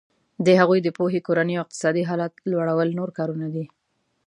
د هغوی د پوهې کورني او اقتصادي حالت لوړول نور کارونه دي.